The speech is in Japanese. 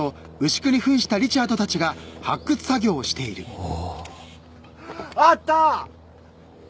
おお。あった！